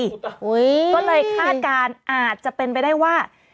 ก็เลยคาดการณ์อาจจะเป็นไปได้ว่า